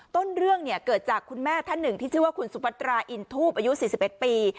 ต้นเรื่องเนี่ยเกิดจากคุณแม่ท่านหนึ่งที่ชื่อว่าคุณสุพัตราอินทูปอายุ๔๑ปี